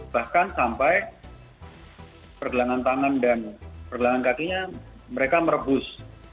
bahkan sampai pergelangan tangan dan pergelangan kakinya mereka merebus